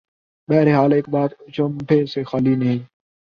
بہرحال ایک بات اچنبھے سے خالی نہیں۔